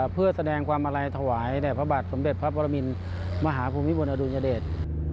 เพื่อแสดงความอาลัยถวายแด่พระบาทสมเด็จพระปรมินมหาภูมิพลอดุลยเดช